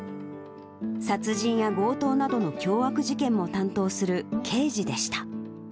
殺人や強盗などの凶悪事件も担当する刑事でした。